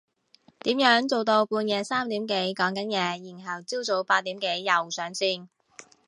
點樣做到半夜三點幾講緊嘢然後朝早八點幾又上線？